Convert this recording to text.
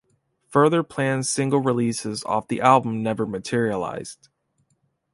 Further planned single releases off the album never materialised.